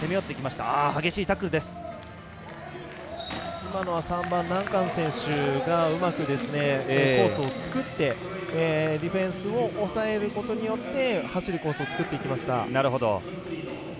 今のは３番のナンカン選手がうまく、コースを作ってディフェンスを抑えることによって走るコースを作っていきました。